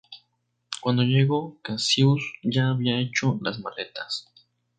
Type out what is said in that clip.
Cuando llegó, Cassius ya había hecho las maletas.